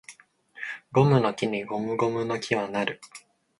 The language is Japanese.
ゴムの木にゴムゴムの木は成る